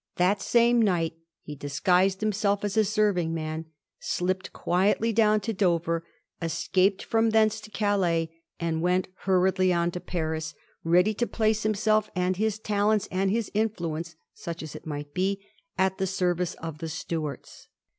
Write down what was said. That same night he disguised himself as a serving man, slipped quietly down to Dover, escaped from thence to Calais, and went hurriedly on to Paris ; ready to place himself, and his talents, and his influence — such as it might be — at the service of the Stuarts.